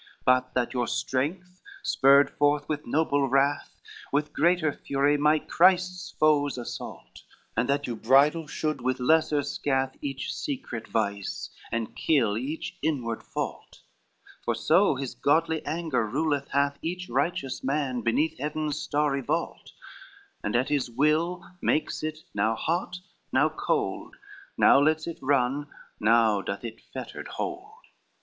LXIII "But that your strength spurred forth with noble wrath, With greater fury might Christ's foes assault, And that your bridle should with lesser scath Each secret vice, and kill each inward fault; For so his godly anger ruled hath Each righteous man beneath heaven's starry vault, And at his will makes it now hot, now cold, Now lets it run, now doth it fettered hold."